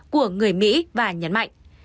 của người mỹ và nhấn mạnh